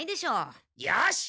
よし！